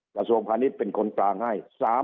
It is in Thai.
ประสวมพนิษฐ์เป็นคนกลางให้